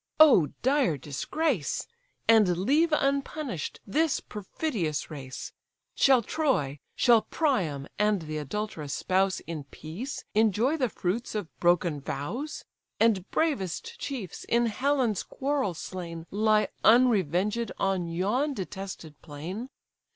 O dire disgrace! And leave unpunish'd this perfidious race? Shall Troy, shall Priam, and the adulterous spouse, In peace enjoy the fruits of broken vows? And bravest chiefs, in Helen's quarrel slain, Lie unrevenged on yon detested plain?